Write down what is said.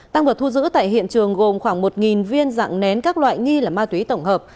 tăng vật thu giữ tại hiện trường gồm khoảng một viên dạng nén các loại nghi là ma túy tổng hợp